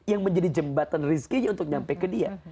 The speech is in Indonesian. yang menjadi jembatan rezekinya untuk nyampe ke dia